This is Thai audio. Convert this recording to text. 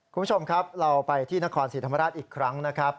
คุณผู้ชมครับเราไปที่นครศรีธรรมราชอีกครั้งนะครับ